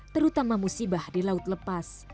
terutama musibah di laut lepas